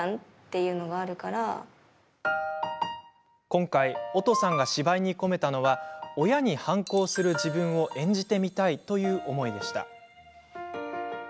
今回、おとさんが芝居に込めたのは親に反抗する自分を演じてみたいという思いでした。